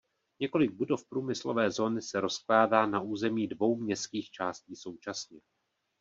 Několik budov průmyslové zóny se rozkládá na území dvou městských částí současně.